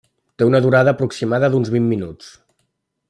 Té una durada aproximada d'uns vint minuts.